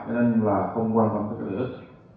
nên là không quan tâm tới các lợi ích